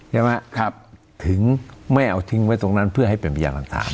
ใช่ไหมครับถึงไม่เอาทิ้งไว้ตรงนั้นเพื่อให้เป็นพยานหลักฐาน